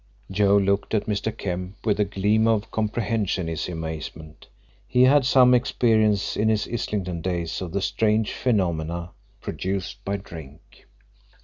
Joe looked at Mr. Kemp with a gleam of comprehension in his amazement. He had had some experience in his Islington days of the strange phenomena produced by drink.